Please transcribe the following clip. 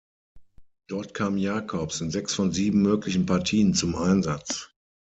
Dort kam Jakobs in sechs von sieben möglichen Partien zum Einsatz.